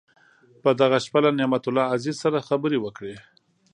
په دغه شپه له نعمت الله عزیز سره خبرې وکړې.